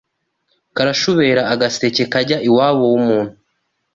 KarashuberaAgaseke kajya iwabo w'umuntu